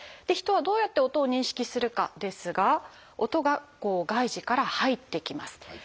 で人はどうやって音を認識するかですが音がこう外耳から入ってきます。